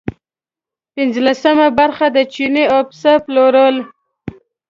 پنځلسمه برخه د چیني او پسه پلورل.